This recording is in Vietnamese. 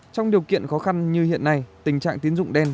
trong điều kiện khó khăn như hiện nay tình trạng tiến dụng đen